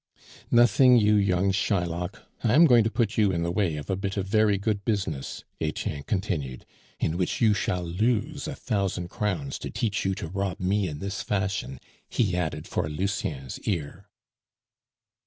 "Nothing, you young Shylock. I am going to put you in the way of a bit of very good business," Etienne continued ("in which you shall lose a thousand crowns, to teach you to rob me in this fashion"), he added for Lucien's ear.